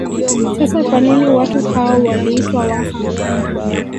Sasa kwa nini watu hao waliitwa Waha